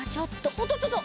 おっとっとっと！